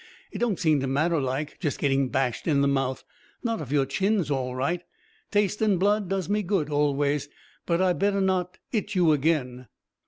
It don't seem to matter, like, just getting bashed in the mouth not if your chin's all right. Tastin' blood does me good. Always. But I better not 'it you again."